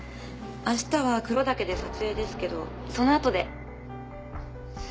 明日は黒岳で撮影ですけどそのあとで。